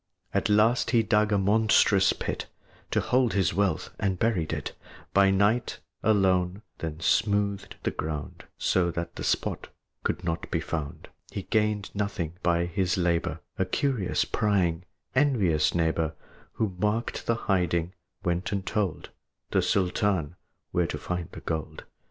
At last he dug a monstrous pit To hold his wealth, and buried it By night, alone; then smoothed the ground So that the spot could not be found. But he gained nothing by his labor: A curious, prying, envious neighbor, Who marked the hiding, went and told The Sultan where to find the gold.